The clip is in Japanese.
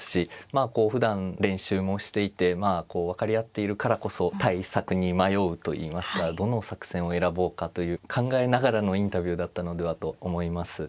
あこうふだん練習もしていて分かり合っているからこそ対策に迷うといいますかどの作戦を選ぼうかという考えながらのインタビューだったのではと思います。